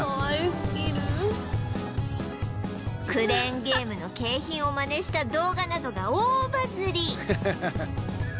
クレーンゲームの景品をマネした動画などが大バズり